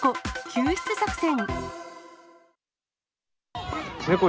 救出作戦。